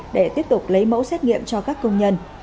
để tiếp tục lấy mẫu xét nghiệm cho các công nhân